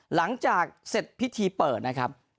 หลังจากเสร็จพิธีเปิดนะครับ